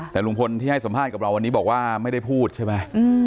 แต่ลุงพลที่ให้สัมภาษณ์กับเราวันนี้บอกว่าไม่ได้พูดใช่ไหม